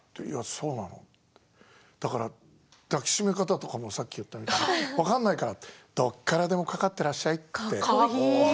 いや、そうなのだから抱きしめ方とかもさっき言ったように分からないからどこからでもかかってらっしゃいって。